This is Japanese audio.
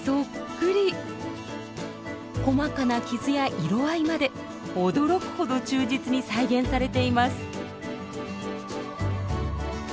細かな傷や色合いまで驚くほど忠実に再現されています。